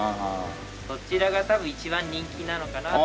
そちらが多分一番人気なのかなと。